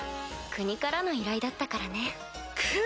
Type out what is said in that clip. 国からの依頼だったからね。か！